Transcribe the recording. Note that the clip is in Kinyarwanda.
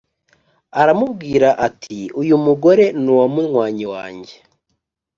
aramubwira ati"uyumugore nuwamunywanyi wanjye